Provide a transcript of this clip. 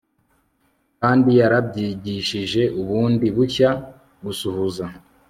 kandi yarabyigishije bundi bushya gusuhuza